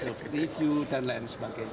tapi kita tetap bisa jalan dan lain sebagainya